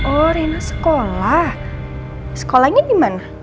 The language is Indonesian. oh reina sekolah sekolahnya dimana